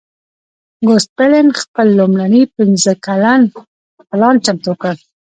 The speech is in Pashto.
ګوسپلن خپل لومړنی پنځه کلن پلان چمتو کړ